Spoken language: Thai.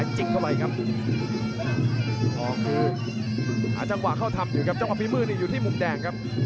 จังหวะภีมือนี่อยู่ที่มุมแดงครับ